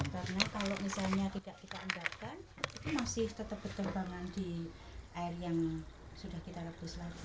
karena kalau misalnya tidak kita endapkan itu masih tetap berkembangan di air yang sudah kita rebus lagi